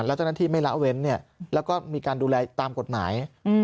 แล้วเจ้าหน้าที่ไม่ละเว้นแล้วก็มีการดูแลตามกฎหมาย